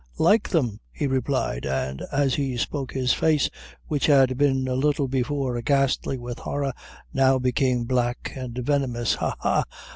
"Like them!" he replied, and as he spoke his face, which had been, a little before, ghastly with horror, now became black and venomous; "ha! ha!